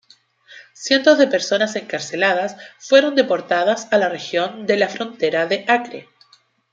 Cientos de personas encarceladas fueron deportadas a la región de la frontera de Acre.